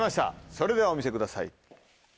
それではお見せください。